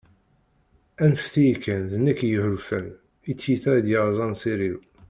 anfet-iyi kan, d nekk i yeḥulfan, i tyita i d-yerzan s iri-w